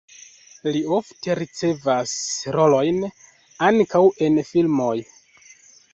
Li ofte ricevas rolojn ankaŭ en filmoj.